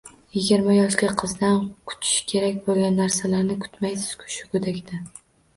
Yigirma yoshli qizdan kutish kerak bo'lgan narsalarni kutmaysizku shu go'dakdan.